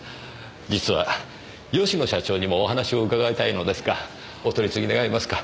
実は吉野社長にもお話を伺いたいのですがお取り次ぎ願えますか？